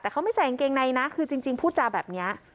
แต่เขาไม่ใส่กางเกงในนะคือจริงพูดจาแบบนี้